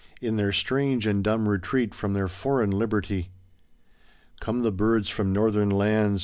In their strange and dumb retreat From their foreign liberty. Come the birds from northern lands.